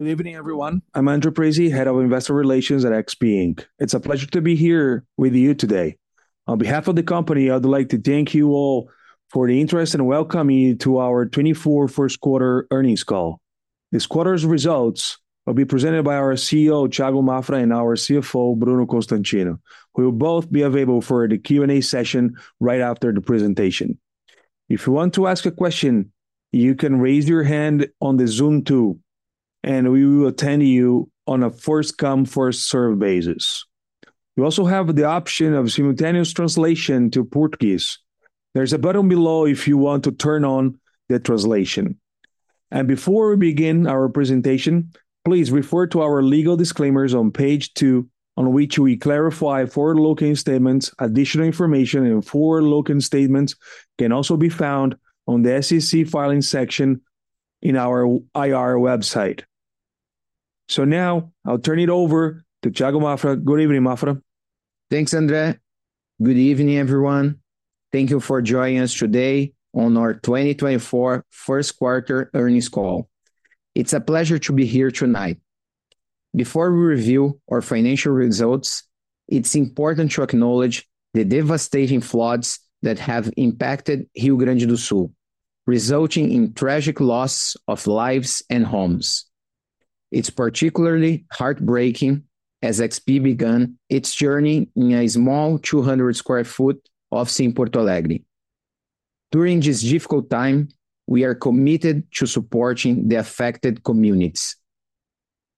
Good evening, everyone. I'm André Parize, Head of Investor Relations at XP Inc. It's a pleasure to be here with you today. On behalf of the company, I'd like to thank you all for the interest and welcome you to our 2024 first quarter earnings call. This quarter's results will be presented by our CEO, Thiago Maffra, and our CFO, Bruno Constantino, who will both be available for the Q&A session right after the presentation. If you want to ask a question, you can raise your hand on the Zoom tool, and we will attend to you on a first come, first served basis. You also have the option of simultaneous translation to Portuguese. There's a button below if you want to turn on the translation. Before we begin our presentation, please refer to our legal disclaimers on Page 2, on which we clarify forward-looking statements. Additional information and forward-looking statements can also be found on the SEC Filings section in our IR website. Now I'll turn it over to Thiago Maffra. Good evening, Maffra. Thanks, André. Good evening, everyone. Thank you for joining us today on our 2024 first quarter earnings call. It's a pleasure to be here tonight. Before we review our financial results, it's important to acknowledge the devastating floods that have impacted Rio Grande do Sul, resulting in tragic loss of lives and homes. It's particularly heartbreaking, as XP began its journey in a small 200 sq ft office in Porto Alegre. During this difficult time, we are committed to supporting the affected communities.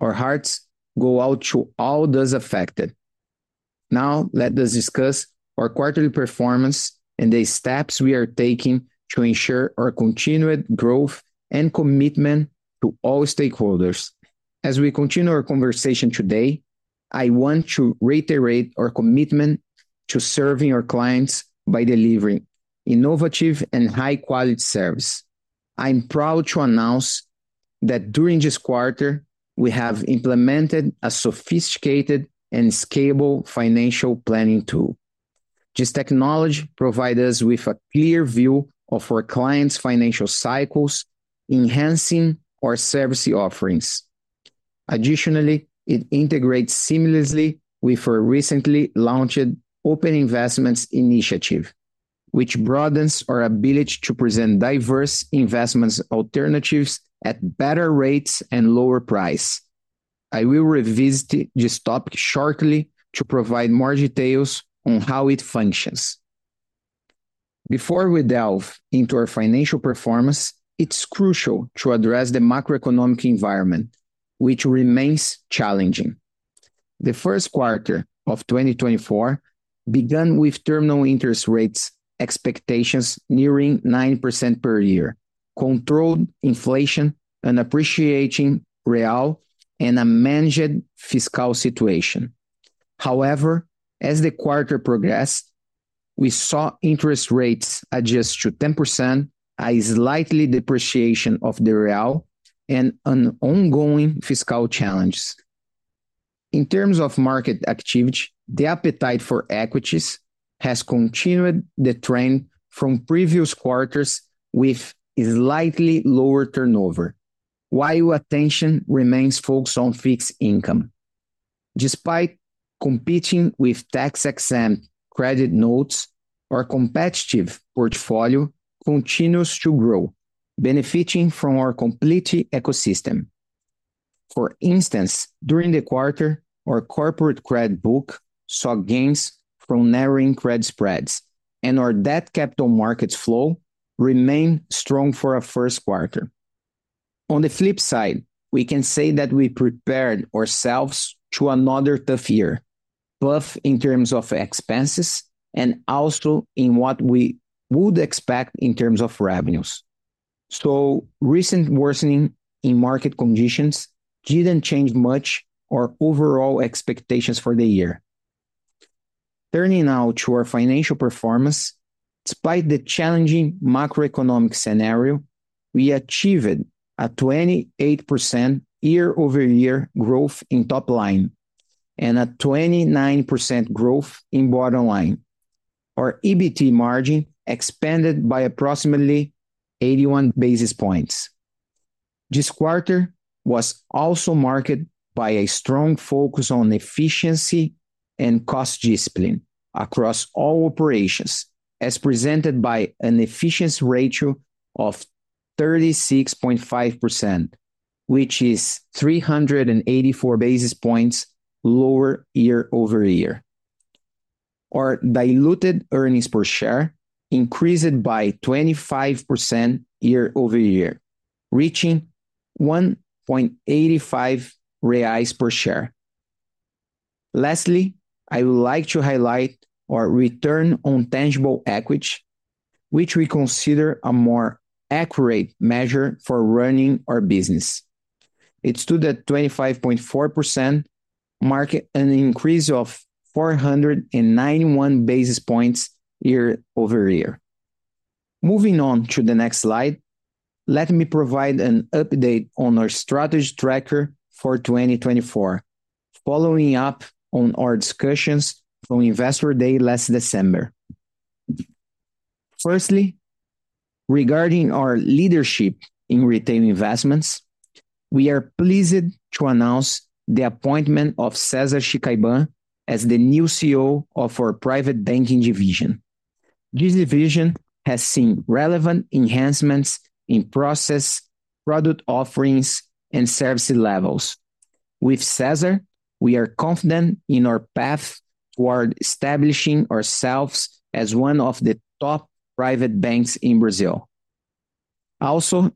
Our hearts go out to all those affected. Now, let us discuss our quarterly performance and the steps we are taking to ensure our continued growth and commitment to all stakeholders. As we continue our conversation today, I want to reiterate our commitment to serving our clients by delivering innovative and high-quality service. I'm proud to announce that during this quarter, we have implemented a sophisticated and scalable financial planning tool. This technology provides us with a clear view of our clients' financial cycles, enhancing our service offerings. Additionally, it integrates seamlessly with our recently launched Open Investments initiative, which broadens our ability to present diverse investment alternatives at better rates and lower prices. I will revisit this topic shortly to provide more details on how it functions. Before we delve into our financial performance, it's crucial to address the macroeconomic environment, which remains challenging. The first quarter of 2024 began with terminal interest rates expectations nearing 9% per year, controlled inflation and appreciating real, and a managed fiscal situation. However, as the quarter progressed, we saw interest rates adjust to 10%, a slight depreciation of the real, and an ongoing fiscal challenge. In terms of market activity, the appetite for equities has continued the trend from previous quarters, with a slightly lower turnover, while attention remains focused on fixed income. Despite competing with tax-exempt credit notes, our competitive portfolio continues to grow, benefiting from our complete ecosystem. For instance, during the quarter, our corporate credit book saw gains from narrowing credit spreads, and our debt capital markets flow remained strong for our first quarter. On the flip side, we can say that we prepared ourselves to another tough year, both in terms of expenses and also in what we would expect in terms of revenues. So recent worsening in market conditions didn't change much our overall expectations for the year. Turning now to our financial performance, despite the challenging macroeconomic scenario, we achieved a 28% year-over-year growth in top line and a 29% growth in bottom line. Our EBT margin expanded by approximately 81 basis points. This quarter was also marked by a strong focus on efficiency and cost discipline across all operations, as presented by an efficiency ratio of 36.5%, which is 384 basis points lower year-over-year. Our diluted earnings per share increased by 25% year-over-year, reaching 1.85 reais per share. Lastly, I would like to highlight our return on tangible equity, which we consider a more accurate measure for running our business. It stood at 25.4%, marking an increase of 491 basis points year-over-year. Moving on to the next slide, let me provide an update on our strategy tracker for 2024, following up on our discussions from Investor Day last December. The-... Firstly, regarding our leadership in retail investments, we are pleased to announce the appointment of Cesar Chicayban as the new CEO of our private banking division. This division has seen relevant enhancements in process, product offerings, and service levels. With Cesar, we are confident in our path toward establishing ourselves as one of the top private banks in Brazil. Also,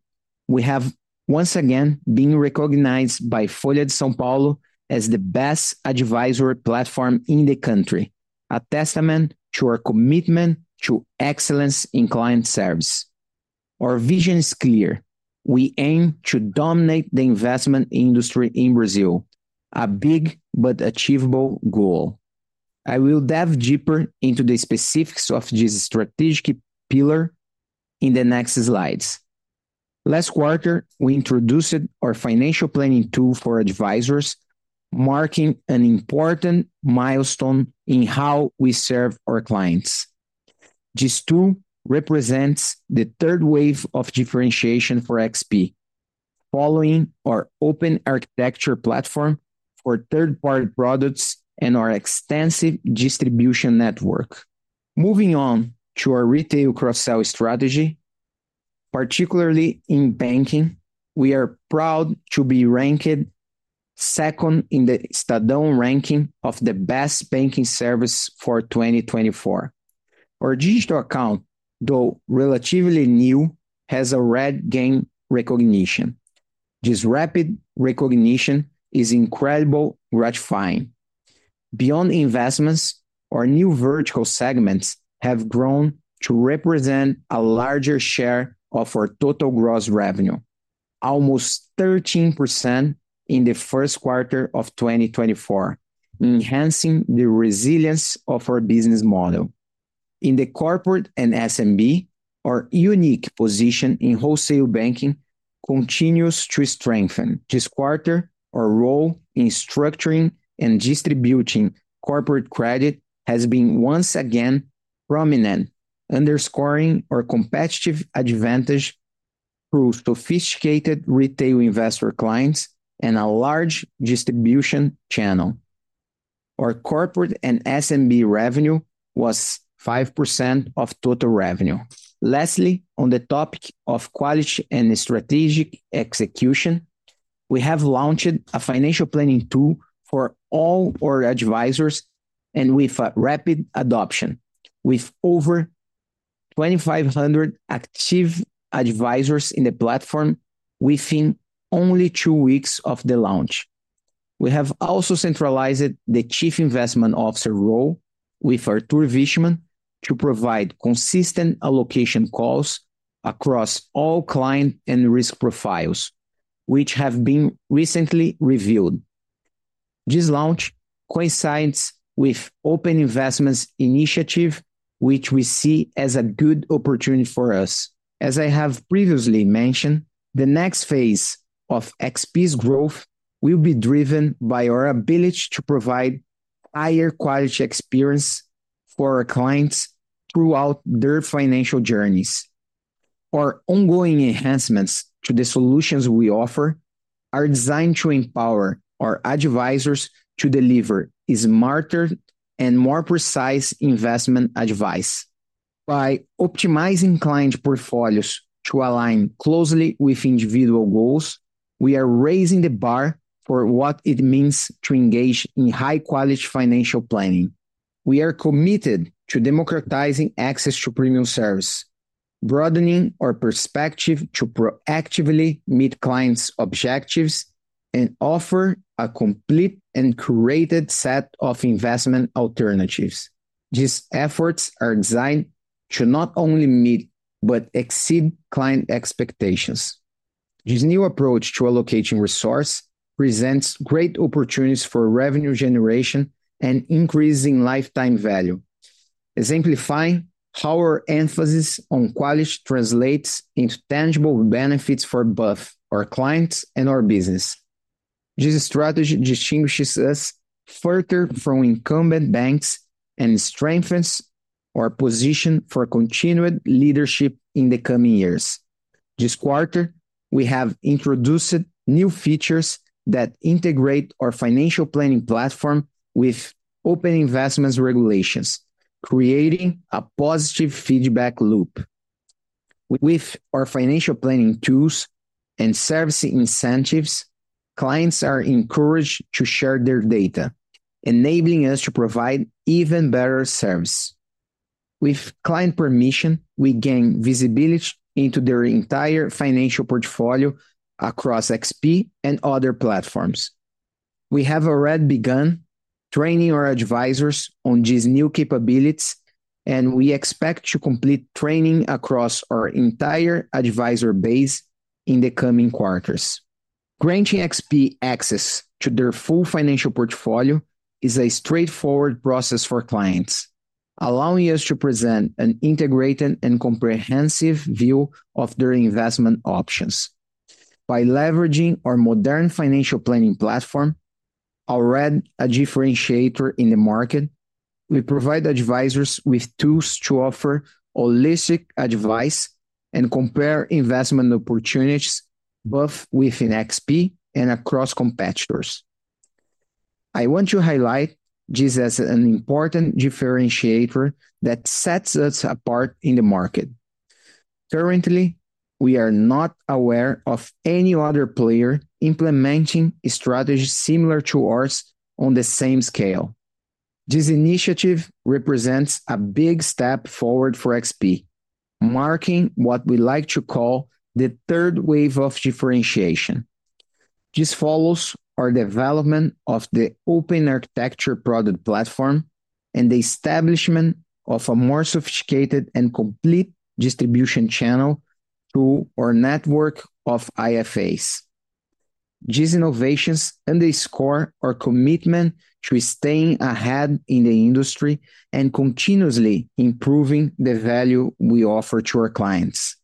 we have once again been recognized by Folha de S.Paulo as the best advisory platform in the country, a testament to our commitment to excellence in client service. Our vision is clear: we aim to dominate the investment industry in Brazil, a big but achievable goal. I will dive deeper into the specifics of this strategic pillar in the next slides. Last quarter, we introduced our financial planning tool for advisors, marking an important milestone in how we serve our clients. This tool represents the third wave of differentiation for XP, following our open architecture platform for third-party products and our extensive distribution network. Moving on to our retail cross-sell strategy, particularly in banking, we are proud to be ranked second in the Estadão ranking of the best banking service for 2024. Our digital account, though relatively new, has already gained recognition. This rapid recognition is incredibly gratifying. Beyond investments, our new vertical segments have grown to represent a larger share of our total gross revenue, almost 13% in the first quarter of 2024, enhancing the resilience of our business model. In the corporate and SMB, our unique position in wholesale banking continues to strengthen. This quarter, our role in structuring and distributing corporate credit has been once again prominent, underscoring our competitive advantage through sophisticated retail investor clients and a large distribution channel. Our corporate and SMB revenue was 5% of total revenue. Lastly, on the topic of quality and strategic execution, we have launched a financial planning tool for all our advisors and with a rapid adoption, with over 2,500 active advisors in the platform within only two weeks of the launch. We have also centralized the Chief Investment Officer role with Artur Wichmann to provide consistent allocation calls across all client and risk profiles, which have been recently reviewed. This launch coincides with Open Investments initiative, which we see as a good opportunity for us. As I have previously mentioned, the next phase of XP's growth will be driven by our ability to provide higher quality experience for our clients throughout their financial journeys. Our ongoing enhancements to the solutions we offer are designed to empower our advisors to deliver a smarter and more precise investment advice. By optimizing client portfolios to align closely with individual goals, we are raising the bar for what it means to engage in high-quality financial planning. We are committed to democratizing access to premium service, broadening our perspective to proactively meet clients' objectives, and offer a complete and curated set of investment alternatives. These efforts are designed to not only meet, but exceed client expectations. This new approach to allocating resource presents great opportunities for revenue generation and increasing lifetime value, exemplifying how our emphasis on quality translates into tangible benefits for both our clients and our business. This strategy distinguishes us further from incumbent banks and strengthens our position for continued leadership in the coming years. This quarter, we have introduced new features that integrate our financial planning platform with Open Investments regulations, creating a positive feedback loop. With our financial planning tools and service incentives, clients are encouraged to share their data, enabling us to provide even better service. With client permission, we gain visibility into their entire financial portfolio across XP and other platforms. We have already begun training our advisors on these new capabilities, and we expect to complete training across our entire advisor base in the coming quarters. Granting XP access to their full financial portfolio is a straightforward process for clients, allowing us to present an integrated and comprehensive view of their investment options.... By leveraging our modern financial planning platform, already a differentiator in the market, we provide advisors with tools to offer holistic advice and compare investment opportunities, both within XP and across competitors. I want to highlight this as an important differentiator that sets us apart in the market. Currently, we are not aware of any other player implementing a strategy similar to ours on the same scale. This initiative represents a big step forward for XP, marking what we like to call the third wave of differentiation. This follows our development of the open architecture product platform, and the establishment of a more sophisticated and complete distribution channel through our network of IFAs. These innovations underscore our commitment to staying ahead in the industry and continuously improving the value we offer to our clients.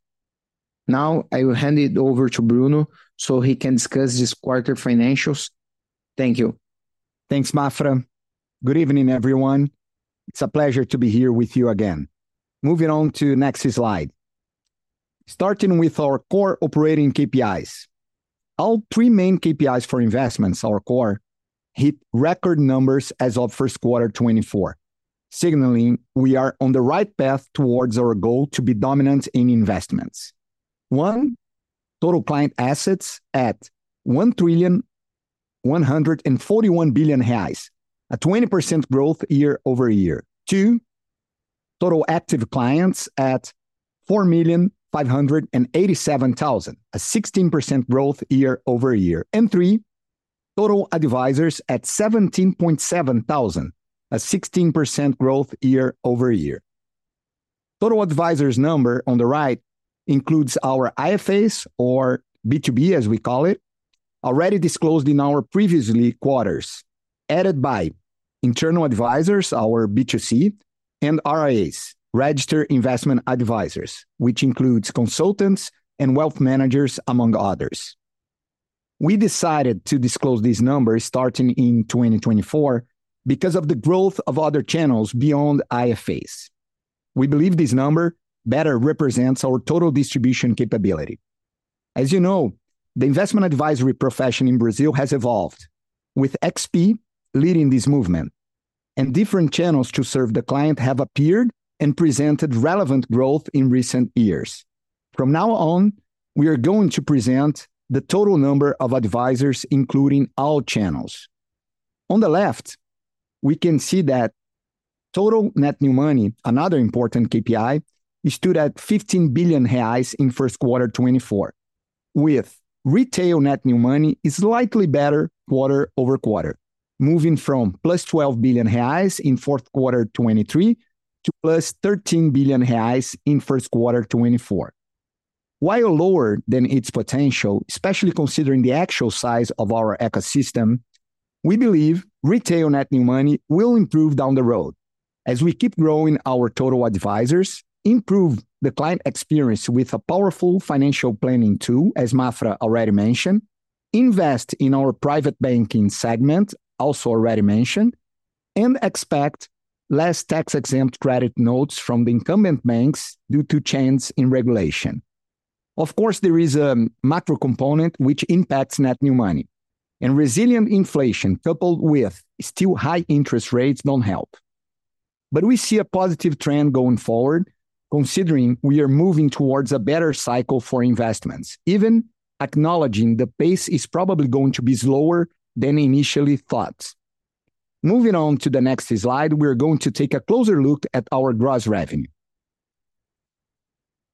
Now, I will hand it over to Bruno so he can discuss this quarter financials. Thank you. Thanks, Maffra. Good evening, everyone. It's a pleasure to be here with you again. Moving on to the next slide. Starting with our core operating KPIs. Our three main KPIs for investments, our core, hit record numbers as of first quarter 2024, signaling we are on the right path towards our goal to be dominant in investments. One, total client assets at 1,141 billion reais, a 20% growth year-over-year. Two, total active clients at 4,587,000, a 16% growth year-over-year. And three, total advisors at 17.7000, a 16% growth year-over-year. Total advisors number on the right includes our IFAs, or B2B, as we call it, already disclosed in our previous quarters, added by internal advisors, our B2C, and RIAs, Registered Investment Advisors, which includes consultants and wealth managers, among others. We decided to disclose these numbers starting in 2024 because of the growth of other channels beyond IFAs. We believe this number better represents our total distribution capability. As you know, the investment advisory profession in Brazil has evolved, with XP leading this movement, and different channels to serve the client have appeared and presented relevant growth in recent years. From now on, we are going to present the total number of advisors, including all channels. On the left, we can see that total net new money, another important KPI, stood at 15 billion reais in first quarter 2024, with retail net new money is slightly better quarter-over-quarter, moving from +12 billion reais in fourth quarter 2023, to +13 billion reais in first quarter 2024. While lower than its potential, especially considering the actual size of our ecosystem, we believe retail net new money will improve down the road as we keep growing our total advisors, improve the client experience with a powerful financial planning tool, as Maffra already mentioned, invest in our private banking segment, also already mentioned, and expect less tax-exempt credit notes from the incumbent banks due to changes in regulation. Of course, there is a macro component which impacts net new money, and resilient inflation, coupled with still high interest rates, don't help. We see a positive trend going forward, considering we are moving towards a better cycle for investments, even acknowledging the pace is probably going to be slower than initially thought. Moving on to the next slide, we are going to take a closer look at our gross revenue.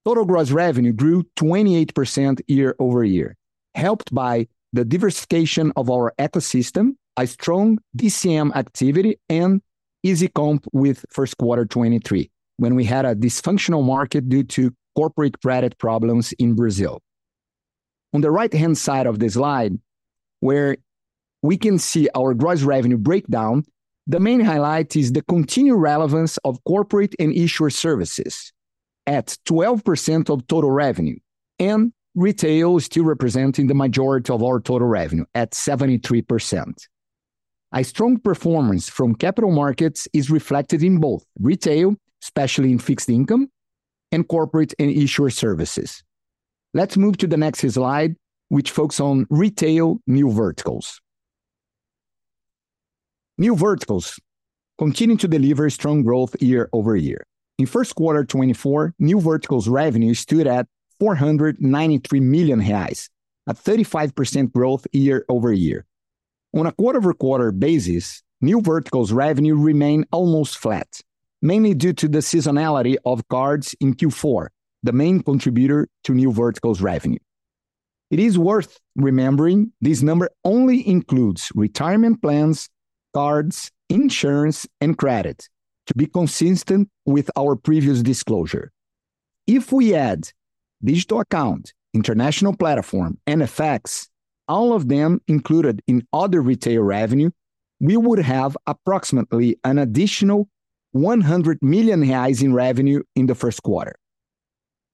Total gross revenue grew 28% year-over-year, helped by the diversification of our ecosystem, a strong DCM activity, and easy comp with first quarter 2023, when we had a dysfunctional market due to corporate credit problems in Brazil. On the right-hand side of the slide, where we can see our gross revenue breakdown, the main highlight is the continued relevance of corporate and issuer services at 12% of total revenue, and retail still representing the majority of our total revenue at 73%. A strong performance from capital markets is reflected in both retail, especially in fixed income, and corporate and issuer services. Let's move to the next slide, which focus on retail New Verticals. New Verticals continue to deliver strong growth year-over-year. In first quarter 2024, New Verticals revenue stood at 493 million reais, a 35% growth year-over-year. On a quarter-over-quarter basis, New Verticals revenue remained almost flat, mainly due to the seasonality of cards in Q4, the main contributor to New Verticals revenue. It is worth remembering this number only includes retirement plans, cards, insurance, and credit, to be consistent with our previous disclosure. If we add digital account, international platform, and FX, all of them included in other retail revenue, we would have approximately an additional 100 million reais in revenue in the first quarter.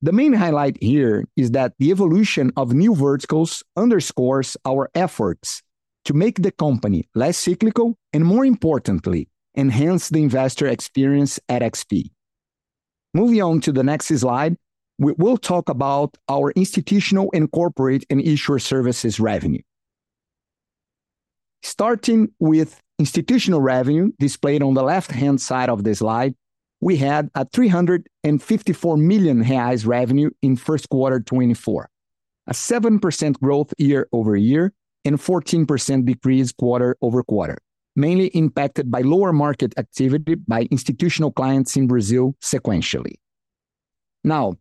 The main highlight here is that the evolution of new verticals underscores our efforts to make the company less cyclical, and more importantly, enhance the investor experience at XP. Moving on to the next slide, we will talk about our institutional and corporate and issuer services revenue. Starting with institutional revenue, displayed on the left-hand side of this slide, we had 354 million reais revenue in first quarter 2024, a 7% growth year-over-year, and 14% decrease quarter-over-quarter, mainly impacted by lower market activity by institutional clients in Brazil sequentially. Now,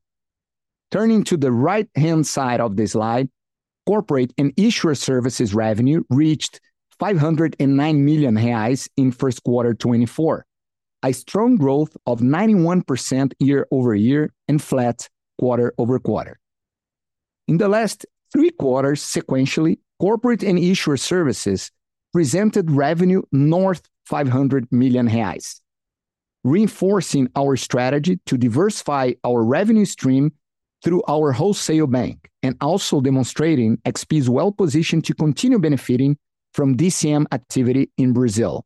turning to the right-hand side of this slide, corporate and issuer services revenue reached 509 million reais in first quarter 2024, a strong growth of 91% year-over-year and flat quarter-over-quarter. In the last three quarters sequentially, corporate and issuer services presented revenue north of 500 million reais, reinforcing our strategy to diversify our revenue stream through our wholesale bank, and also demonstrating XP's well-positioned to continue benefiting from DCM activity in Brazil.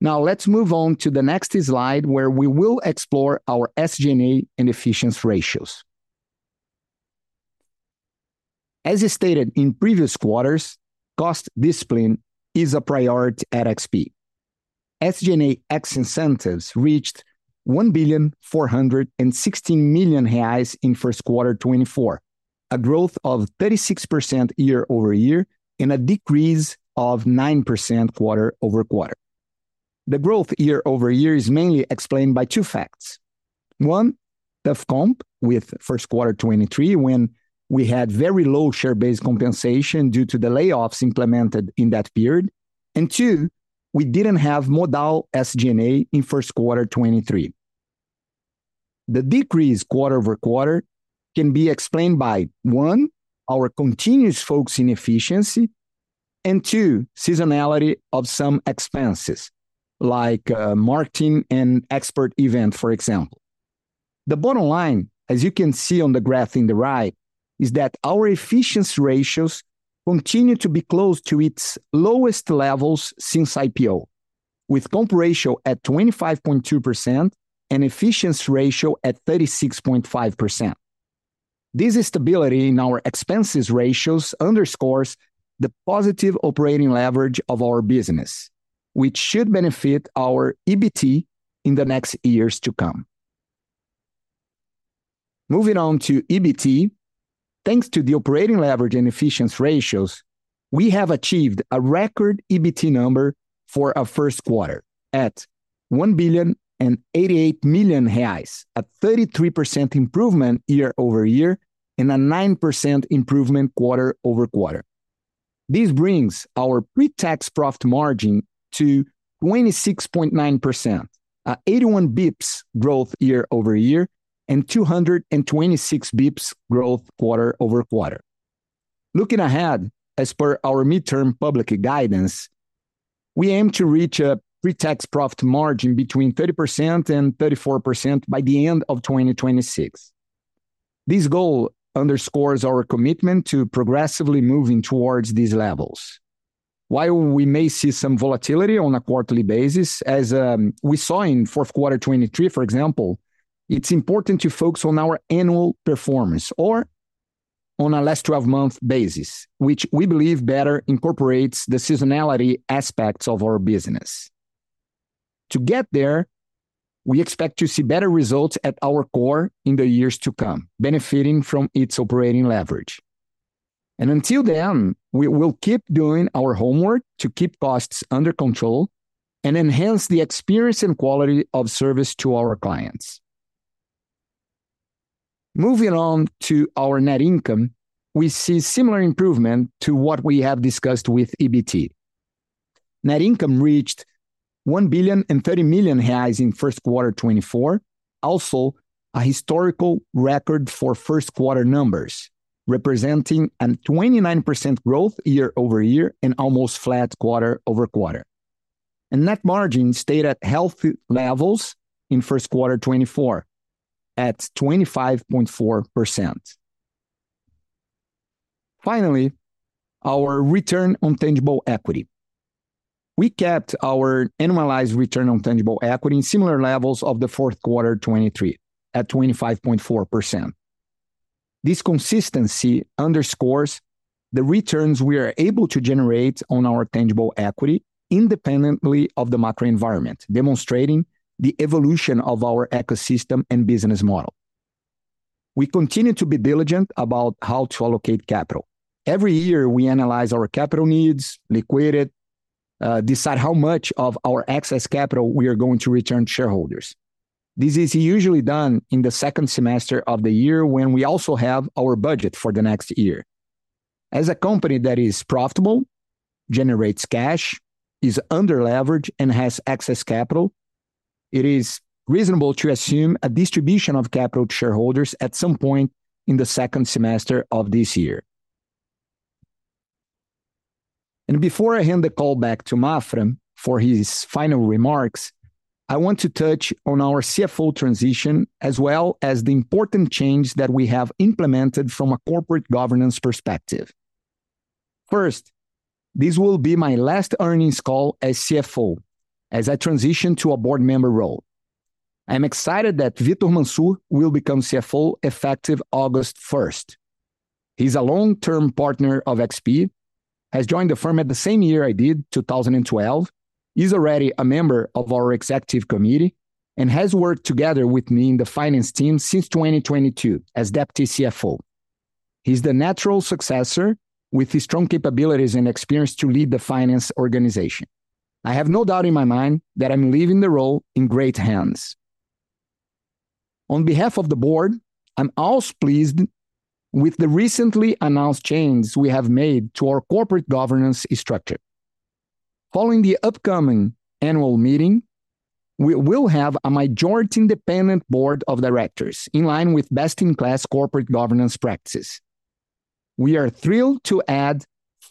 Now, let's move on to the next slide, where we will explore our SG&A and efficiency ratios. As I stated in previous quarters, cost discipline is a priority at XP. SG&A ex incentives reached 1.416 billion in first quarter 2024, a growth of 36% year-over-year, and a decrease of 9% quarter-over-quarter. The growth year-over-year is mainly explained by two facts: one, tough comp with first quarter 2023, when we had very low share-based compensation due to the layoffs implemented in that period, and two, we didn't have Modal SG&A in first quarter 2023. The decrease quarter-over-quarter can be explained by, one, our continuous focus in efficiency, and two, seasonality of some expenses like, marketing and Expert eventt, for example. The bottom line, as you can see on the graph on the right, is that our efficiency ratios continue to be close to its lowest levels since IPO, with comp ratio at 25.2% and efficiency ratio at 36.5%. This stability in our expenses ratios underscores the positive operating leverage of our business, which should benefit our EBT in the next years to come. Moving on to EBT, thanks to the operating leverage and efficiency ratios, we have achieved a record EBT number for our first quarter at 1,088 million reais, a 33% improvement year-over-year, and a 9% improvement quarter-over-quarter. This brings our pre-tax profit margin to 26.9%, 81 bps growth year-over-year, and 226 bps growth quarter-over-quarter. Looking ahead, as per our midterm public guidance, we aim to reach a pre-tax profit margin between 30% and 34% by the end of 2026. This goal underscores our commitment to progressively moving towards these levels. While we may see some volatility on a quarterly basis, as we saw in fourth quarter 2023, for example, it's important to focus on our annual performance or on a last 12-month basis, which we believe better incorporates the seasonality aspects of our business. To get there, we expect to see better results at our core in the years to come, benefiting from its operating leverage, and until then, we will keep doing our homework to keep costs under control and enhance the experience and quality of service to our clients. Moving on to our net income, we see similar improvement to what we have discussed with EBT. Net income reached 1.03 billion in first quarter 2024, also a historical record for first quarter numbers, representing a 29% growth year-over-year and almost flat quarter-over-quarter. Net margin stayed at healthy levels in first quarter 2024, at 25.4%. Finally, our return on tangible equity. We kept our annualized return on tangible equity in similar levels of the fourth quarter 2023, at 25.4%. This consistency underscores the returns we are able to generate on our tangible equity independently of the macro environment, demonstrating the evolution of our ecosystem and business model. We continue to be diligent about how to allocate capital. Every year, we analyze our capital needs, liquidate it, decide how much of our excess capital we are going to return to shareholders. This is usually done in the second semester of the year, when we also have our budget for the next year. As a company that is profitable, generates cash, is under leverage, and has excess capital, it is reasonable to assume a distribution of capital to shareholders at some point in the second semester of this year. Before I hand the call back to Maffra for his final remarks, I want to touch on our CFO transition, as well as the important change that we have implemented from a corporate governance perspective. First, this will be my last earnings call as CFO, as I transition to a board member role. I'm excited that Victor Mansur will become CFO effective August 1st. He's a long-term partner of XP, has joined the firm at the same year I did, 2012. He's already a member of our executive committee, and has worked together with me in the finance team since 2022 as deputy CFO. He's the natural successor, with his strong capabilities and experience to lead the finance organization. I have no doubt in my mind that I'm leaving the role in great hands. On behalf of the board, I'm also pleased with the recently announced changes we have made to our corporate governance structure. Following the upcoming annual meeting, we will have a majority independent board of directors, in line with best-in-class corporate governance practices. We are thrilled to add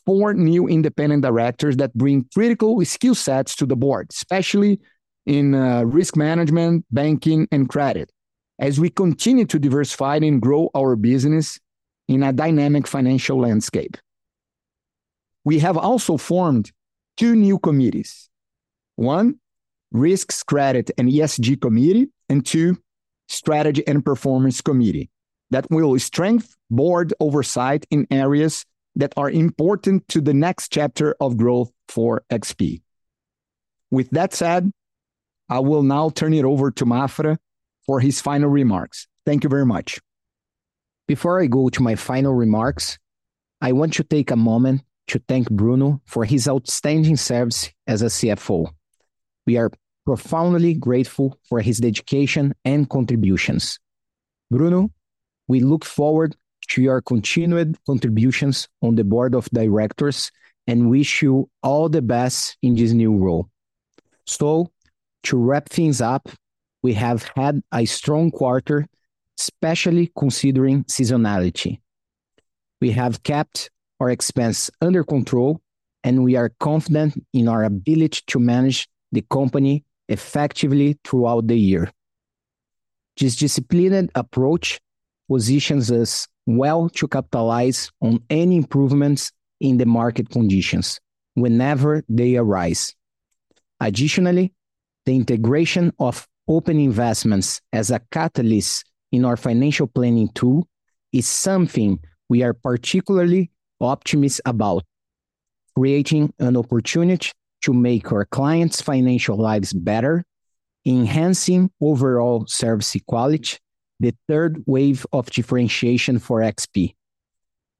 four new independent directors that bring critical skill sets to the board, especially in risk management, banking, and credit, as we continue to diversify and grow our business in a dynamic financial landscape. We have also formed two new committees: one, Risks, Credit, and ESG Committee, and two, Strategy and Performance Committee, that will strengthen board oversight in areas that are important to the next chapter of growth for XP. With that said, I will now turn it over to Maffra for his final remarks. Thank you very much. Before I go to my final remarks, I want to take a moment to thank Bruno for his outstanding service as a CFO. We are profoundly grateful for his dedication and contributions. Bruno, we look forward to your continued contributions on the board of directors, and wish you all the best in this new role. So to wrap things up, we have had a strong quarter, especially considering seasonality. We have kept our expenses under control, and we are confident in our ability to manage the company effectively throughout the year. This disciplined approach positions us well to capitalize on any improvements in the market conditions whenever they arise. Additionally, the integration of Open Investments as a catalyst in our financial planning tool is something we are particularly optimistic about, creating an opportunity to make our clients' financial lives better, enhancing overall service quality, the third wave of differentiation for XP.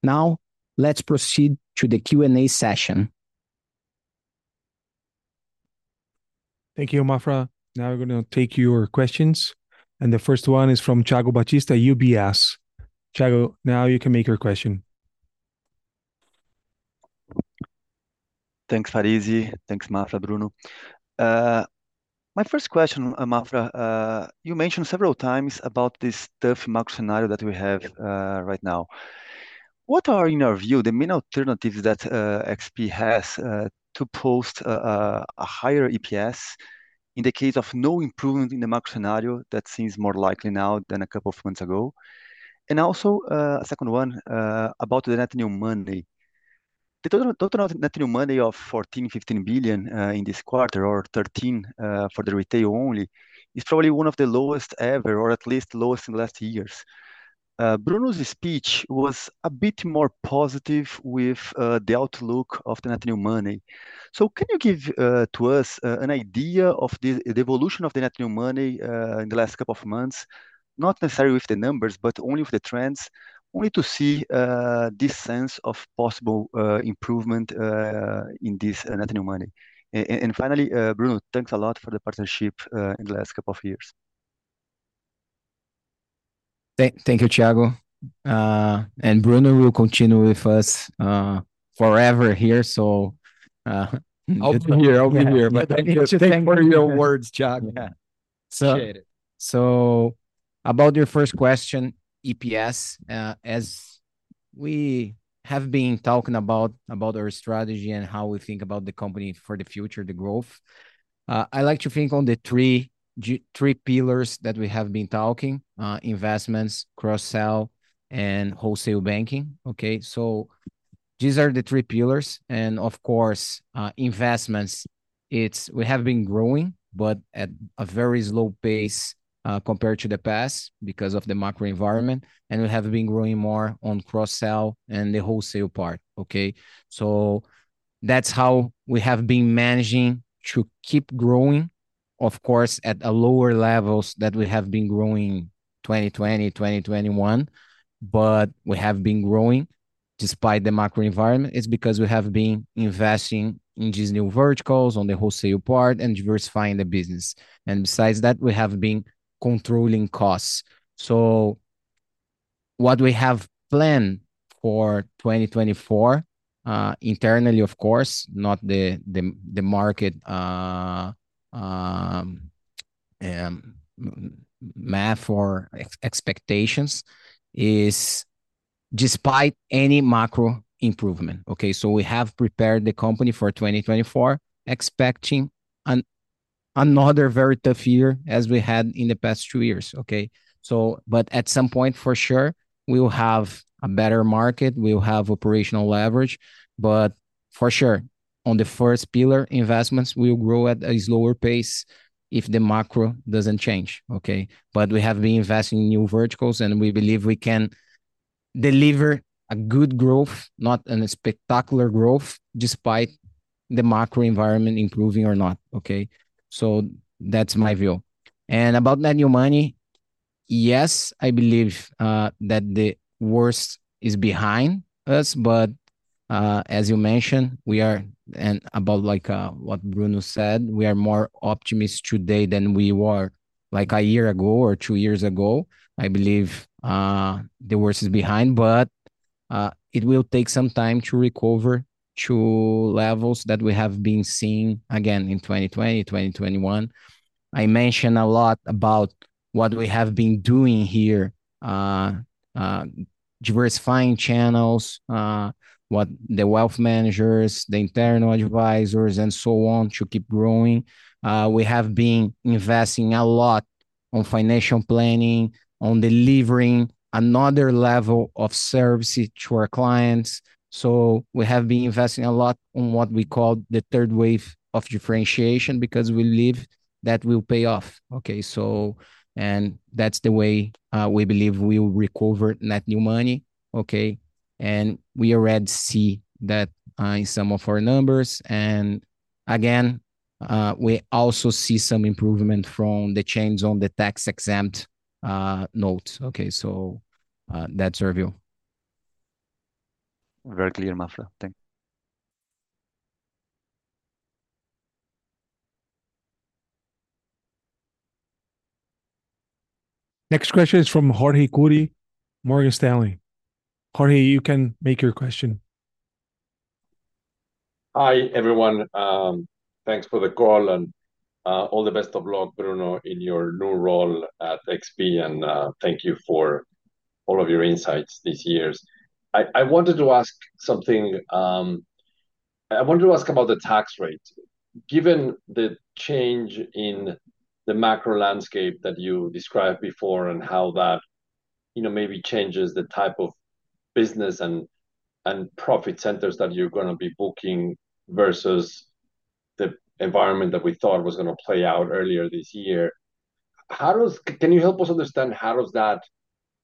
Now, let's proceed to the Q&A session. Thank you, Maffra. Now we're gonna take your questions, and the first one is from Thiago Batista, UBS. Thiago, now you can make your question. Thanks, Parize. Thanks, Maffra, Bruno. My first question, Maffra, you mentioned several times about this tough macro scenario that we have right now. What are, in your view, the main alternatives that XP has to post a higher EPS in the case of no improvement in the macro scenario that seems more likely now than a couple of months ago? And also, a second one about the net new money. The total net new money of 14 billion-15 billion in this quarter, or 13 for the retail only, is probably one of the lowest ever, or at least lowest in the last years. Bruno's speech was a bit more positive with the outlook of the net new money. So can you give to us an idea of the evolution of the net new money in the last couple of months? Not necessarily with the numbers, but only with the trends, only to see this sense of possible improvement in this net new money. And finally, Bruno, thanks a lot for the partnership in the last couple of years. Thank you, Thiago. And Bruno will continue with us forever here, so, I'll be here. I'll be here. But thank you- Thank you... Thank you for your words, Thiago. Yeah. Appreciate it. So, about your first question, EPS, as we have been talking about, about our strategy and how we think about the company for the future, the growth, I like to think on the three pillars that we have been talking: investments, cross-sell, and wholesale banking, okay? So these are the three pillars, and of course, investments, it's we have been growing, but at a very slow pace, compared to the past because of the macro environment, and we have been growing more on cross-sell and the wholesale part, okay? So that's how we have been managing to keep growing, of course, at lower levels than we have been growing 2020, 2021, but we have been growing despite the macro environment. It's because we have been investing in these new verticals on the wholesale part and diversifying the business. Besides that, we have been controlling costs. So what we have planned for 2024, internally, of course, not the market,... our expectations is despite any macro improvement, okay? So we have prepared the company for 2024, expecting another very tough year as we had in the past two years, okay? So, but at some point, for sure, we will have a better market, we will have operational leverage. But for sure, on the first pillar, investments will grow at a slower pace if the macro doesn't change, okay? But we have been investing in new verticals, and we believe we can deliver a good growth, not a spectacular growth, despite the macro environment improving or not, okay? So that's my view. About net new money, yes, I believe that the worst is behind us, but as you mentioned, we are, and about like what Bruno said, we are more optimistic today than we were like a year ago or two years ago. I believe the worst is behind, but it will take some time to recover to levels that we have been seeing again in 2020, 2021. I mentioned a lot about what we have been doing here, diversifying channels, what the wealth managers, the internal advisors, and so on, to keep growing. We have been investing a lot on financial planning, on delivering another level of service to our clients. So we have been investing a lot on what we call the third wave of differentiation, because we believe that will pay off, okay? So, and that's the way, we believe we will recover net new money, okay? And we already see that, in some of our numbers, and again, we also see some improvement from the changes on the tax-exempt, notes. Okay, so, that's our view. Very clear, Maffra. Thank you. Next question is from Jorge Kuri, Morgan Stanley. Jorge, you can make your question. Hi, everyone. Thanks for the call, and all the best of luck, Bruno, in your new role at XP, and thank you for all of your insights these years. I wanted to ask something. I wanted to ask about the tax rate. Given the change in the macro landscape that you described before, and how that, you know, maybe changes the type of business and profit centers that you're gonna be booking versus the environment that we thought was gonna play out earlier this year, how does, can you help us understand how does that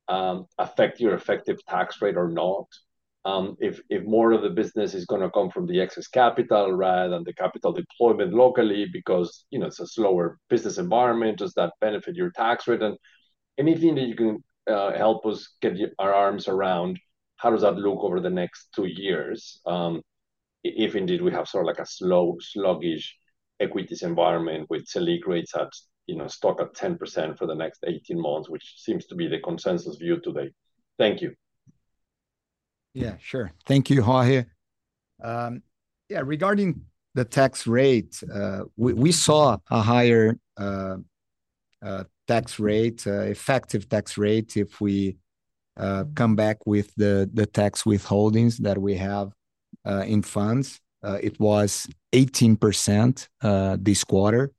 affect your effective tax rate or not? If more of the business is gonna come from the excess capital rather than the capital deployment locally because, you know, it's a slower business environment, does that benefit your tax rate? Anything that you can help us get our arms around, how does that look over the next 2 years, if indeed we have sort of like a slow, sluggish equities environment with Selic rates at, you know, stuck at 10% for the next 18 months, which seems to be the consensus view today? Thank you. Yeah, sure. Thank you, Jorge. Yeah, regarding the tax rate, we saw a higher tax rate, effective tax rate if we come back with the tax withholdings that we have in funds. It was 18% this quarter,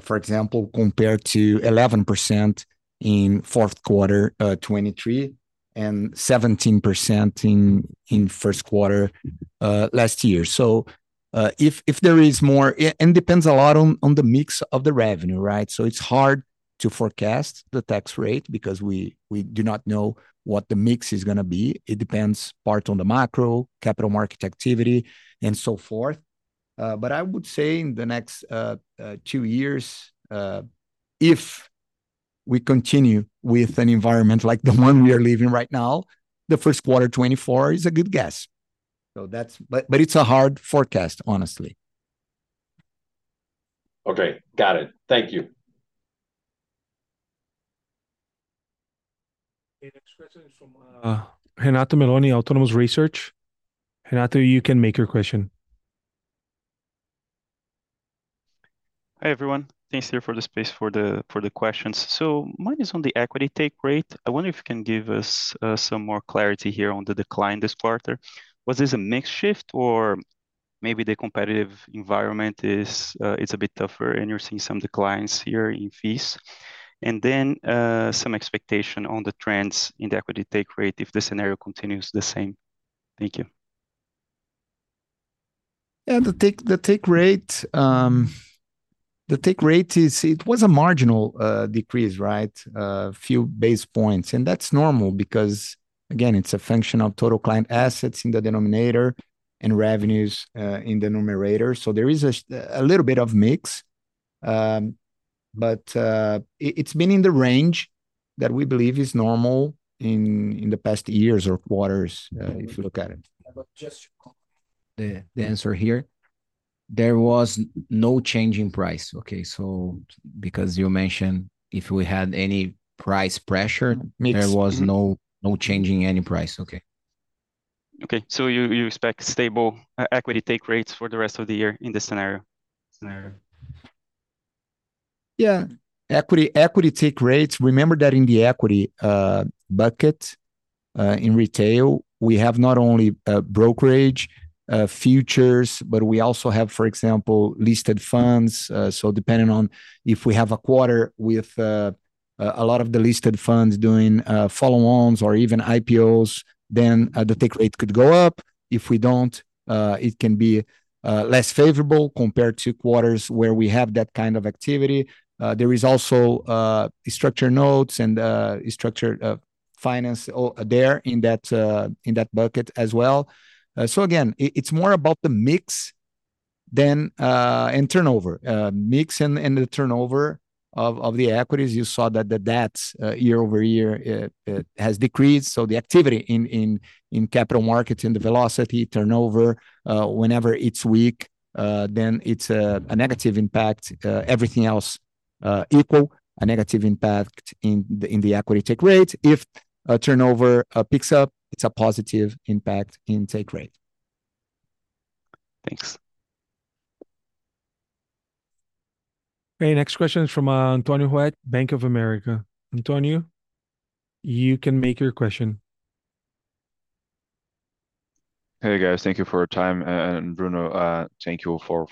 for example, compared to 11% in fourth quarter 2023, and 17% in first quarter last year. So, if there is more. It depends a lot on the mix of the revenue, right? So it's hard to forecast the tax rate because we do not know what the mix is gonna be. It depends part on the macro, capital market activity, and so forth. But I would say in the next two years, if we continue with an environment like the one we are living right now, the first quarter 2024 is a good guess. So that's-- But, but it's a hard forecast, honestly. Okay, got it. Thank you. The next question is from Renato Meloni, Autonomous Research. Renato, you can make your question. Hi, everyone. Thanks here for the space for the questions. So mine is on the equity take rate. I wonder if you can give us, some more clarity here on the decline this quarter. Was this a mix shift or maybe the competitive environment is, it's a bit tougher and you're seeing some declines here in fees? And then, some expectation on the trends in the equity take rate if the scenario continues the same. Thank you. Yeah, the take rate is a marginal decrease, right? A few basis points. And that's normal because, again, it's a function of total client assets in the denominator and revenues in the numerator. So there is a little bit of mix. But it's been in the range that we believe is normal in the past years or quarters, if you look at it. Yeah, but just- The, the-... answer here. There was no change in price, okay? So because you mentioned if we had any price pressure- Mix, mm-hmm... there was no, no change in any price. Okay.... Okay, so you, you expect stable equity take rates for the rest of the year in this scenario? Yeah. Equity, equity take rates, remember that in the equity bucket in retail, we have not only brokerage futures, but we also have, for example, listed funds. So depending on if we have a quarter with a lot of the listed funds doing follow-ons or even IPOs, then the take rate could go up. If we don't, it can be less favorable compared to quarters where we have that kind of activity. There is also structured notes and structured finance all there in that bucket as well. So again, it, it's more about the mix than... And turnover, mix and the turnover of the equities. You saw that the debts year-over-year has decreased, so the activity in capital markets, in the velocity, turnover, whenever it's weak, then it's a negative impact. Everything else equal, a negative impact in the equity take rate. If turnover picks up, it's a positive impact in take rate. Thanks. Okay, next question is from Antonio Ruette, Bank of America. Antonio, you can make your question. Hey, guys. Thank you for your time, and Bruno, thank you for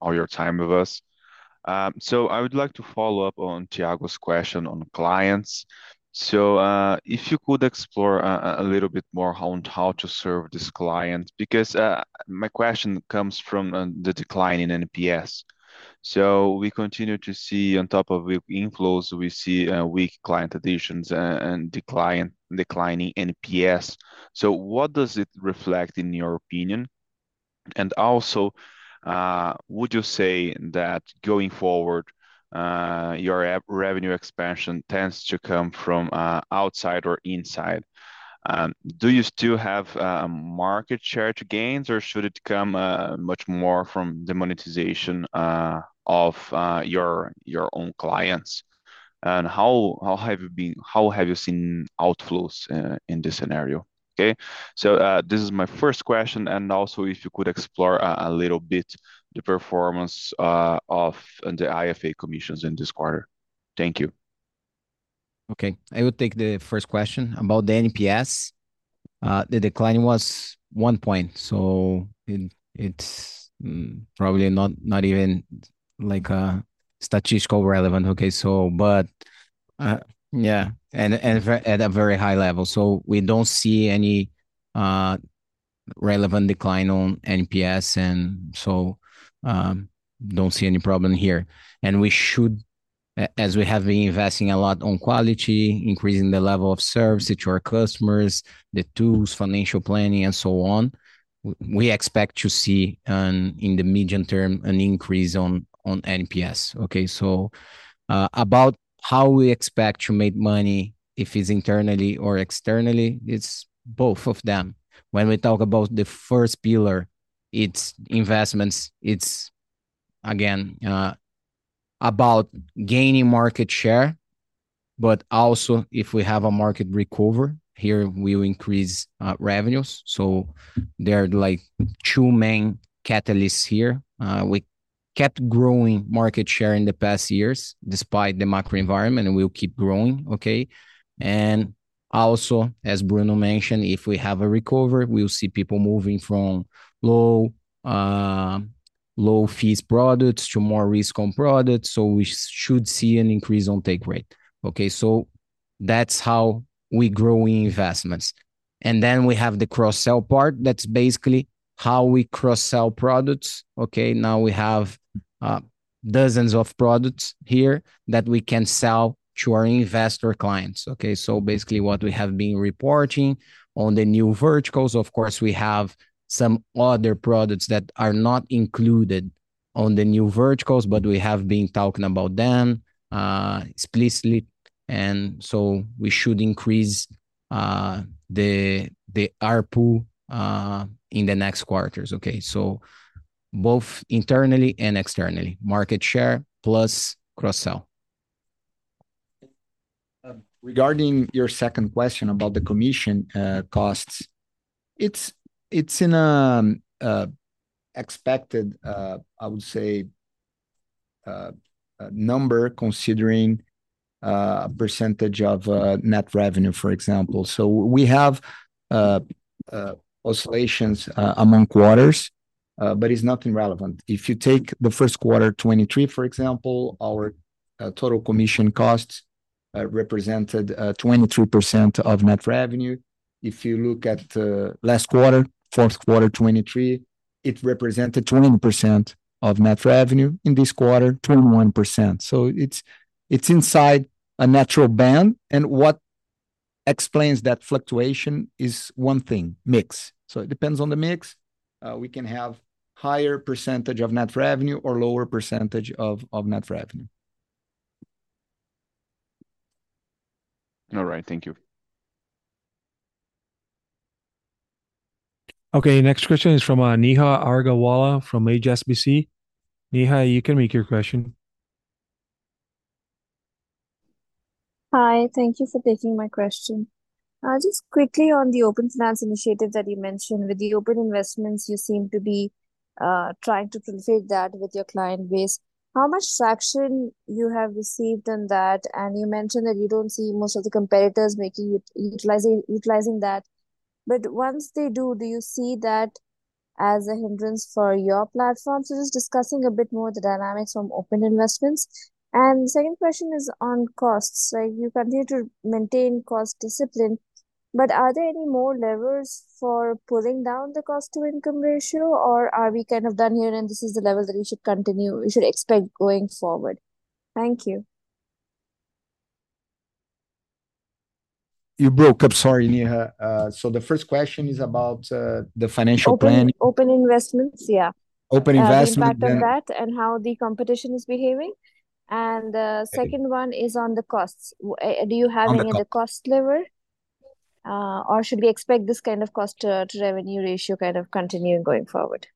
all your time with us. So I would like to follow up on Thiago's question on clients. So, if you could explore a little bit more on how to serve this client, because my question comes from the decline in NPS. So we continue to see on top of the inflows, we see weak client additions and declining NPS. So what does it reflect, in your opinion? And also, would you say that going forward, your revenue expansion tends to come from outside or inside? Do you still have market share to gains, or should it come much more from the monetization of your own clients? How have you seen outflows in this scenario? Okay, so this is my first question, and also if you could explore a little bit the performance of the IFA commissions in this quarter. Thank you. Okay, I will take the first question about the NPS. The decline was 1 point, so it's probably not even like a statistically relevant. Okay, at a very high level. So we don't see any relevant decline on NPS, and don't see any problem here. And we should, as we have been investing a lot on quality, increasing the level of service to our customers, the tools, financial planning, and so on, we expect to see in the medium term an increase on NPS. Okay, about how we expect to make money, if it's internally or externally, it's both of them. When we talk about the first pillar, it's investments. It's, again, about gaining market share, but also if we have a market recover here, we will increase revenues. So there are, like, two main catalysts here. We kept growing market share in the past years despite the macro environment, and we'll keep growing, okay? And also, as Bruno mentioned, if we have a recovery, we'll see people moving from low, low fees products to more risk on products, so we should see an increase on take rate. Okay, so that's how we growing investments. And then we have the cross-sell part. That's basically how we cross-sell products. Okay, now we have, dozens of products here that we can sell to our investor clients, okay? So basically what we have been reporting on the New Verticals, of course, we have some other products that are not included on the New Verticals, but we have been talking about them explicitly, and so we should increase the ARPU in the next quarters. Okay, so both internally and externally, market share plus cross-sell. Regarding your second question about the commission costs, it's an expected number, I would say, considering percentage of net revenue, for example. So we have oscillations among quarters, but it's nothing relevant. If you take the first quarter 2023, for example, our total commission costs represented 23% of net revenue. If you look at the last quarter, fourth quarter 2023, it represented 20% of net revenue. In this quarter, 21%. So it's inside a natural band, and what explains that fluctuation is one thing, mix. So it depends on the mix. We can have higher percentage of net revenue or lower percentage of net revenue. All right. Thank you. Okay, next question is from, Neha Agarwala, from HSBC. Neha, you can make your question.... Hi, thank you for taking my question. Just quickly on the open finance initiative that you mentioned, with the Open Investments, you seem to be trying to proliferate that with your client base. How much traction have you received on that? And you mentioned that you don't see most of the competitors making it, utilizing that, but once they do, do you see that as a hindrance for your platform? So just discussing a bit more the dynamics from Open Investments. And second question is on costs. Like, you continue to maintain cost discipline, but are there any more levers for pulling down the cost to income ratio, or are we kind of done here and this is the level that we should continue—we should expect going forward? Thank you. You broke up. Sorry, Neha. So the first question is about the financial planning- Open, Open Investments, yeah. Open Investments and- The impact of that and how the competition is behaving. Thank you. The second one is on the costs. On the- Do you have any other cost lever, or should we expect this kind of cost to revenue ratio kind of continuing going forward?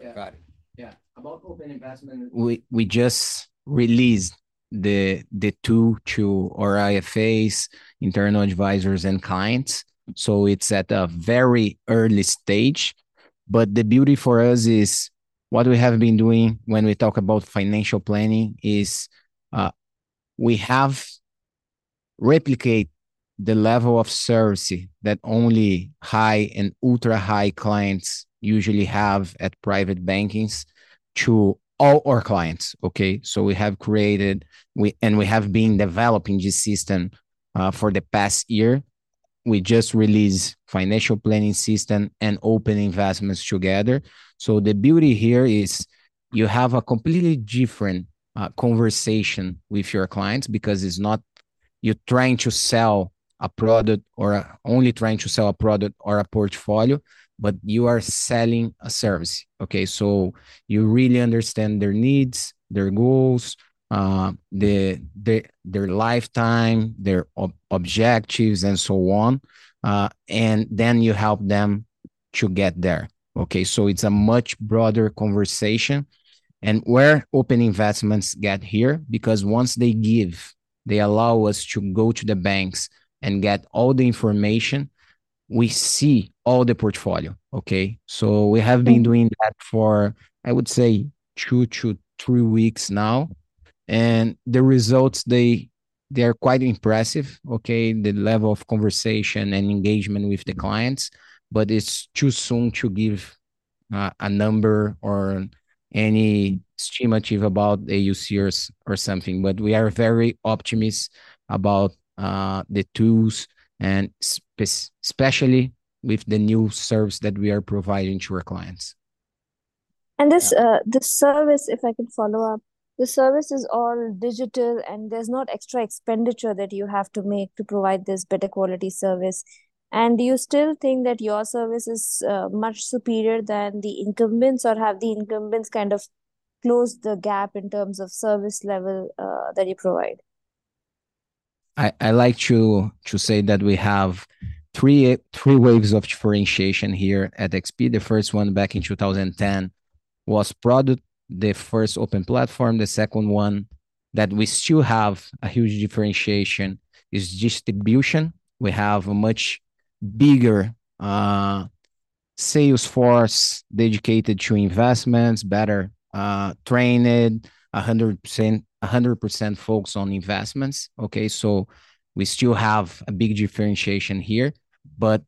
Yeah, got it. Yeah. About Open Investment, we just released the tool to our IFAs, internal advisors and clients, so it's at a very early stage. But the beauty for us is, what we have been doing when we talk about financial planning is, we have replicate the level of service that only high and ultra high clients usually have at private bankings to all our clients. Okay? So we have created. We have been developing this system for the past year. We just released financial planning system and Open Investments together. So the beauty here is you have a completely different conversation with your clients, because it's not you're trying to sell a product or only trying to sell a product or a portfolio, but you are selling a service. Okay? So you really understand their needs, their goals, their lifetime, their objectives, and so on, and then you help them to get there. Okay, so it's a much broader conversation. And where Open Investments get here, because once they give, they allow us to go to the banks and get all the information, we see all the portfolio. Okay? So we have- Oh... been doing that for, I would say, 2-3 weeks now. And the results, they are quite impressive, okay, the level of conversation and engagement with the clients, but it's too soon to give a number or any estimate about the AUC or something. But we are very optimistic about the tools and especially with the new service that we are providing to our clients. And this, this service, if I could follow up, the service is all digital, and there's not extra expenditure that you have to make to provide this better quality service. And do you still think that your service is much superior than the incumbents, or have the incumbents kind of closed the gap in terms of service level that you provide? I like to say that we have three waves of differentiation here at XP. The first one, back in 2010, was product, the first open platform. The second one, that we still have a huge differentiation, is distribution. We have a much bigger sales force dedicated to investments, better trained, 100% focused on investments. Okay, so we still have a big differentiation here, but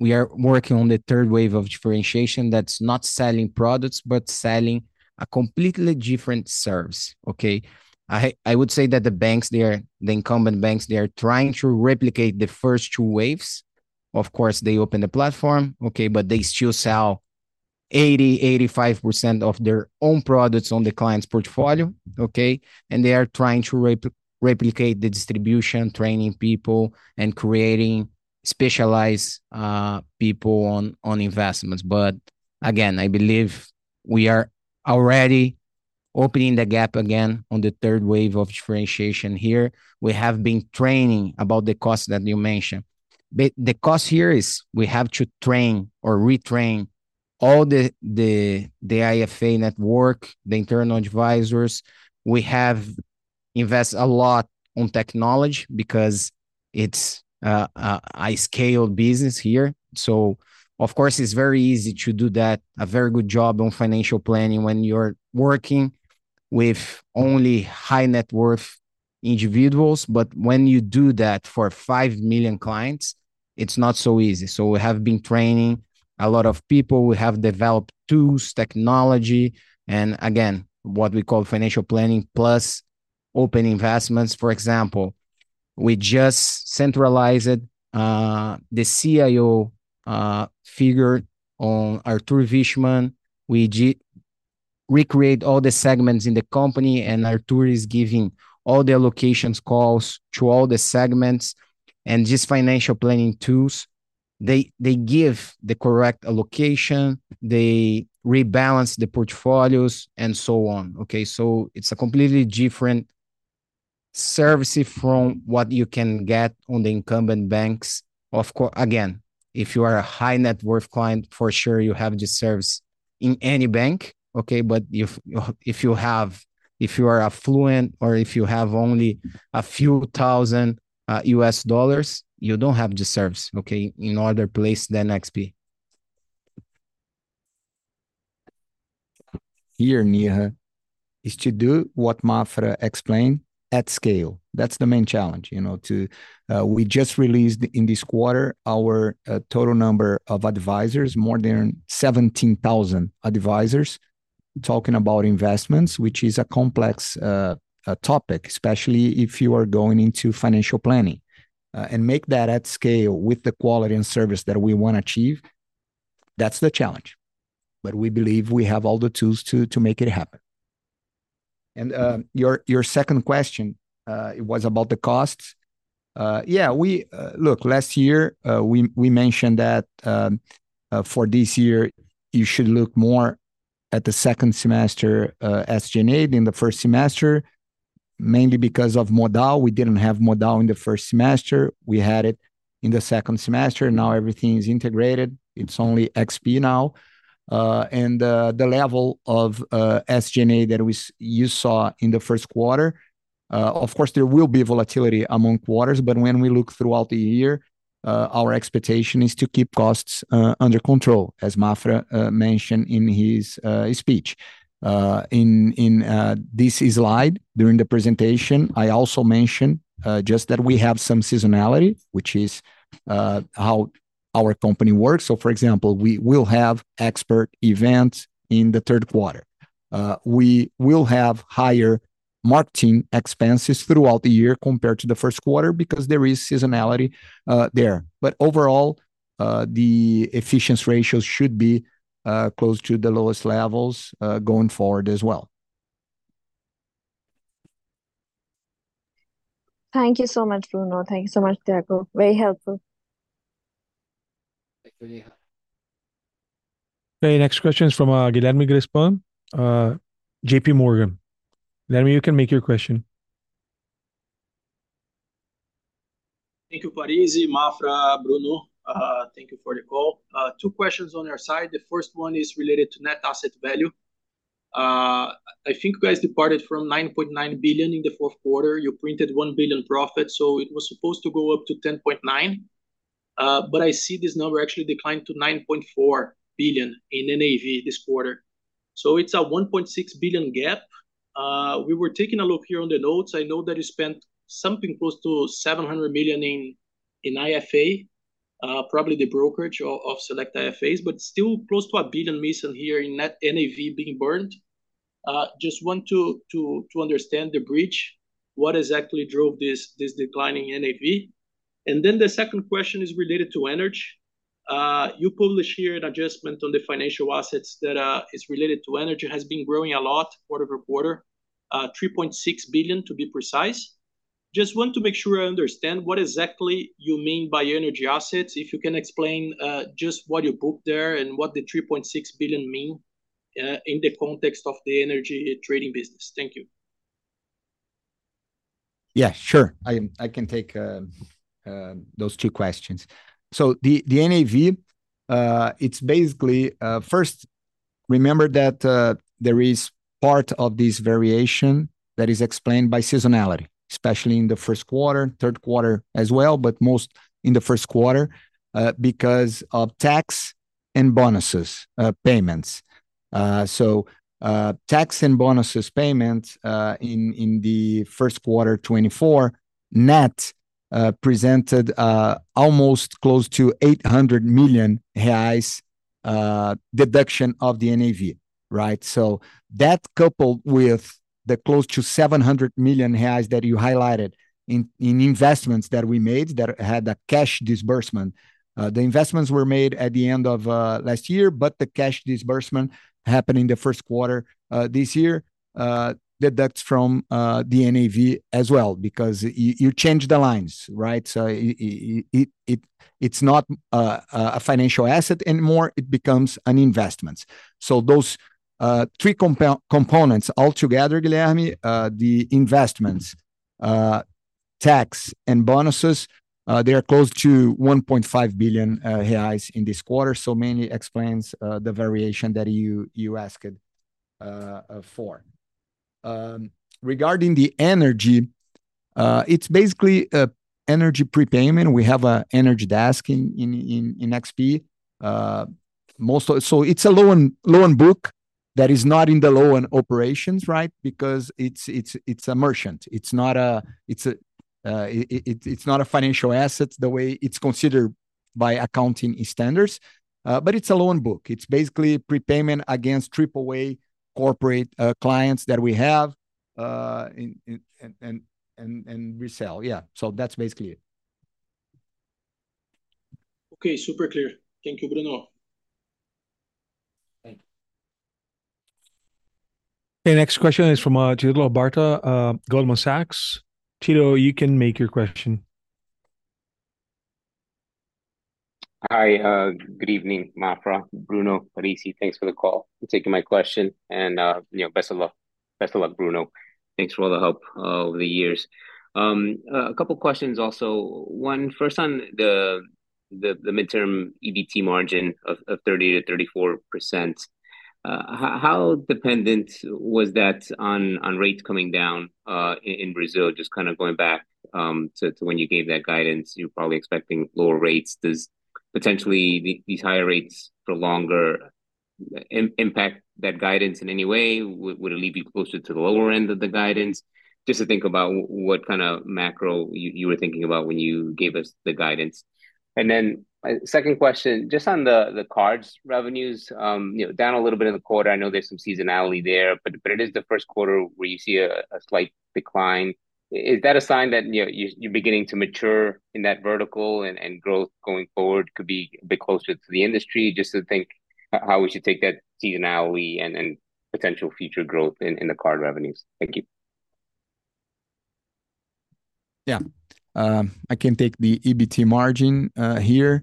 we are working on the third wave of differentiation that's not selling products, but selling a completely different service. Okay? I would say that the banks, the incumbent banks, are trying to replicate the first two waves. Of course, they open the platform, okay, but they still sell 85% of their own products on the client's portfolio, okay? They are trying to replicate the distribution, training people, and creating specialized people on investments. But again, I believe we are already opening the gap again on the third wave of differentiation here. We have been training about the cost that you mentioned, but the cost here is we have to train or retrain all the IFA network, the internal advisors. We have invested a lot on technology because it's a scale business here. So of course, it's very easy to do that, a very good job on financial planning when you're working with only high net worth individuals, but when you do that for 5 million clients, it's not so easy. So we have been training a lot of people. We have developed tools, technology, and again, what we call financial planning, plus Open Investments, for example. We just centralize it, the CIO figure on Artur Wichmann. We recreate all the segments in the company, and Artur is giving all the allocations calls to all the segments. And these financial planning tools, they give the correct allocation, they rebalance the portfolios, and so on. Okay, so it's a completely different services from what you can get on the incumbent banks. Of course, again, if you are a high net worth client, for sure you have the service-... in any bank, okay? But if you have, if you are affluent or if you have only a few thousand dollars, you don't have the service, okay, in other place than XP. Here, Neha, is to do what Maffra explained at scale. That's the main challenge, you know, to... We just released in this quarter our total number of advisors, more than 17,000 advisors talking about investments, which is a complex topic, especially if you are going into financial planning. And make that at scale with the quality and service that we wanna achieve, that's the challenge, but we believe we have all the tools to make it happen. And your second question, it was about the costs. Yeah, we... Look, last year, we mentioned that, for this year, you should look more at the second semester, SG&A than the first semester, mainly because of Modal. We didn't have Modal in the first semester, we had it in the second semester. Now everything is integrated. It's only XP now. And, the level of, SG&A that we saw in the first quarter, of course, there will be volatility among quarters, but when we look throughout the year, our expectation is to keep costs, under control, as Maffra mentioned in his speech. In this slide during the presentation, I also mentioned, just that we have some seasonality, which is how our company works. So, for example, we will have expert events in the Q3. We will have higher marketing expenses throughout the year compared to the first quarter because there is seasonality, there. But overall, the efficiency ratio should be close to the lowest levels, going forward as well. Thank you so much, Bruno. Thank you so much, Thiago. Very helpful. Thank you, Neha. Okay, next question is from Guilherme Grespan, JPMorgan. Guilherme, you can make your question. Thank you, Parize, Maffra, Bruno. Thank you for the call. Two questions on our side. The first one is related to net asset value. I think you guys departed from 9.9 billion in the fourth quarter. You printed 1 billion profit, so it was supposed to go up to 10.9, but I see this number actually declined to 9.4 billion in NAV this quarter, so it's a 1.6 billion gap. We were taking a look here on the notes. I know that you spent something close to 700 million in IFA, probably the brokerage of select IFAs, but still close to 1 billion missing here in net NAV being burned. Just want to understand the breach. What exactly drove this declining NAV? And then the second question is related to energy. You publish here an adjustment on the financial assets that is related to energy, has been growing a lot quarter-over-quarter, 3.6 billion, to be precise. Just want to make sure I understand what exactly you mean by energy assets. If you can explain just what you book there and what the 3.6 billion mean in the context of the energy trading business. Thank you. Yeah, sure. I can take those two questions. So the NAV, it's basically... First, remember that there is part of this variation that is explained by seasonality, especially in the first quarter, Q3 as well, but most in the first quarter, because of tax and bonuses payments. So tax and bonuses payments in the first quarter 2024, net presented almost close to 800 million reais, deduction of the NAV, right? So that, coupled with the close to 700 million reais that you highlighted in investments that we made, that had a cash disbursement. The investments were made at the end of last year, but the cash disbursement happened in the first quarter this year. Deducts from the NAV as well, because you change the lines, right? So, it, it's not a financial asset anymore, it becomes an investment. So those three components all together, Guilherme, the investments, tax, and bonuses, they are close to 1.5 billion reais in this quarter, so mainly explains the variation that you asked for. Regarding the energy, it's basically an energy prepayment. We have an energy desk in XP. So it's a loan book that is not in the loan operations, right? Because it's a merchant. It's not a, it's a, it's not a financial asset the way it's considered by accounting standards, but it's a loan book. It's basically prepayment against Triple A corporate clients that we have, and resell. Yeah, so that's basically it. Okay, super clear. Thank you, Bruno. Thank you. Okay, next question is from, Tito Labarta, Goldman Sachs. Tito, you can make your question. Hi, good evening, Maffra, Bruno, Parize. Thanks for the call and taking my question, and, you know, best of luck.... Best of luck, Bruno. Thanks for all the help over the years. A couple questions also. One, first, on the midterm EBT margin of 30%-34%. How dependent was that on rates coming down in Brazil? Just kind of going back to when you gave that guidance, you were probably expecting lower rates. Does potentially these higher rates for longer impact that guidance in any way? Would it leave you closer to the lower end of the guidance? Just to think about what kind of macro you were thinking about when you gave us the guidance. And then second question, just on the cards revenues, you know, down a little bit in the quarter. I know there's some seasonality there, but it is the first quarter where you see a slight decline. Is that a sign that, you know, you're beginning to mature in that vertical, and growth going forward could be a bit closer to the industry? Just to think how we should take that seasonality and potential future growth in the card revenues. Thank you. Yeah. I can take the EBT margin here.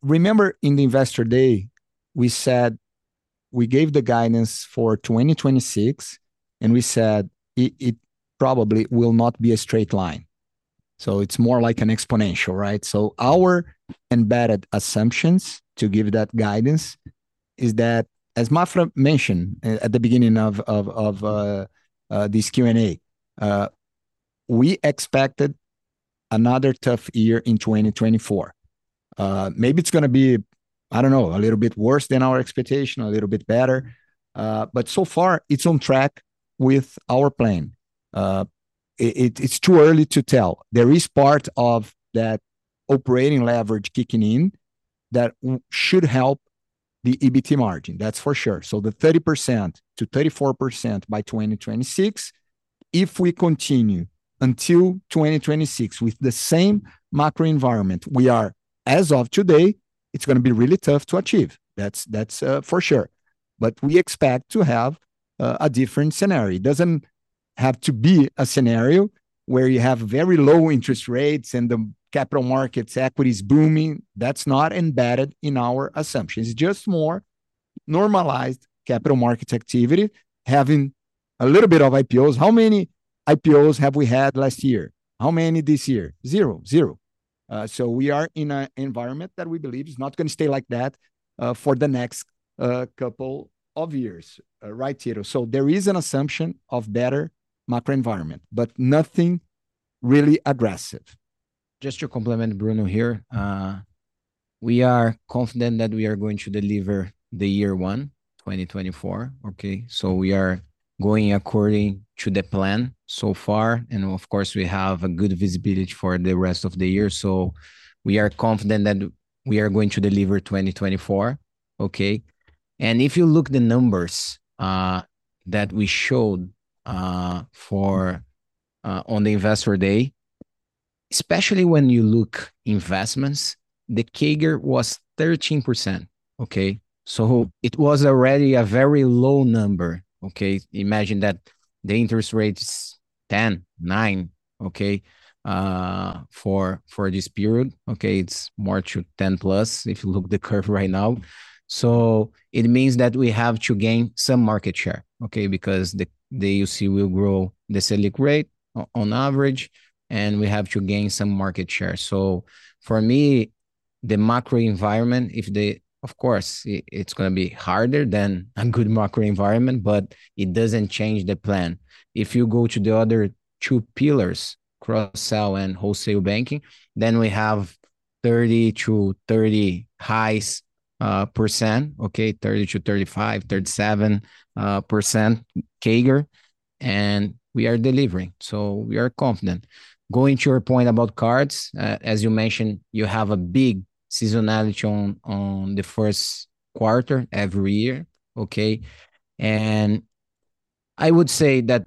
Remember in the Investor Day, we said—we gave the guidance for 2026, and we said it, it probably will not be a straight line, so it's more like an exponential, right? So our embedded assumptions to give that guidance is that, as Maffra mentioned at the beginning of this Q&A, we expected another tough year in 2024. Maybe it's gonna be, I don't know, a little bit worse than our expectation, a little bit better, but so far it's on track with our plan. It, it, it's too early to tell. There is part of that operating leverage kicking in that should help the EBT margin, that's for sure. So the 30%-34% by 2026, if we continue until 2026 with the same macro environment we are, as of today, it's gonna be really tough to achieve. That's, that's, for sure. But we expect to have a different scenario. It doesn't have to be a scenario where you have very low interest rates and the capital markets equity is booming. That's not embedded in our assumptions. It's just more normalized capital markets activity, having a little bit of IPOs. How many IPOs have we had last year? How many this year? 0. 0. So we are in an environment that we believe is not gonna stay like that for the next couple of years, right, Tito? So there is an assumption of better macro environment, but nothing really aggressive. Just to complement Bruno here, we are confident that we are going to deliver the year 2024, okay? So we are going according to the plan so far, and of course, we have a good visibility for the rest of the year. So we are confident that we are going to deliver 2024, okay? And if you look the numbers that we showed on the Investor Day, especially when you look investments, the CAGR was 13%, okay? So it was already a very low number, okay? Imagine that the interest rate is 10.9, okay, for this period, okay? It's more to 10+, if you look the curve right now. So it means that we have to gain some market share, okay? Because the AUC will grow the Selic rate on average, and we have to gain some market share. So for me, the macro environment, if the... Of course, it's gonna be harder than a good macro environment, but it doesn't change the plan. If you go to the other two pillars, cross sell and wholesale banking, then we have 30 highs, percent, okay, 30 percent-35 percent, 37, percent CAGR, and we are delivering, so we are confident. Going to your point about cards, as you mentioned, you have a big seasonality on the first quarter every year, okay? And I would say that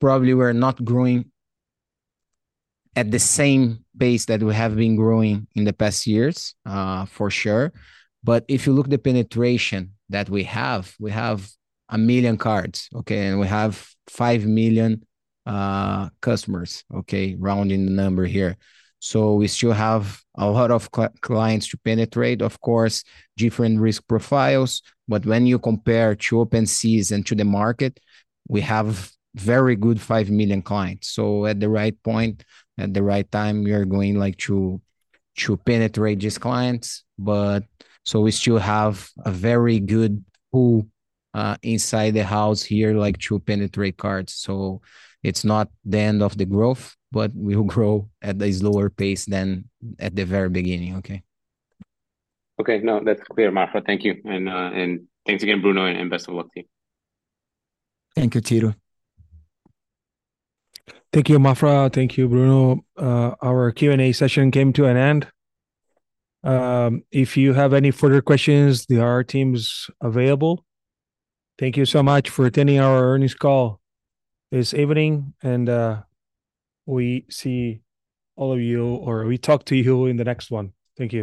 probably we're not growing at the same pace that we have been growing in the past years, for sure. But if you look at the penetration that we have, we have 1 million cards, okay, and we have 5 million customers, okay, rounding the number here. So we still have a lot of clients to penetrate, of course, different risk profiles, but when you compare to Open Finance to the market, we have very good 5 million clients. So at the right point, at the right time, we are going, like, to, to penetrate these clients. But so we still have a very good pool inside the house here, like, to penetrate cards. So it's not the end of the growth, but we'll grow at a slower pace than at the very beginning. Okay? Okay. No, that's clear, Maffra. Thank you, and, and thanks again, Bruno, and best of luck to you. Thank you, Tito. Thank you, Maffra. Thank you, Bruno. Our Q&A session came to an end. If you have any further questions, the IR team's available. Thank you so much for attending our earnings call this evening, and we see all of you, or we talk to you in the next one. Thank you.